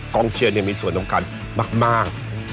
กองเชียร์นี่มีส่วนตรงกันมาก